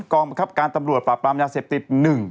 กองบังคับการตำรวจปราบปรามยาเสพติด๑